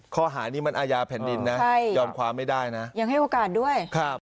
ข้อหานี้มันอาญาแผ่นดินนะยอมความไม่ได้นะยังให้โอกาสด้วยครับ